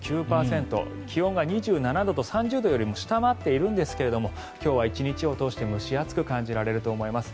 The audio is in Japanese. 気温が２７度と、３０度よりも下回っているんですが今日は１日を通して蒸し暑く感じられると思います。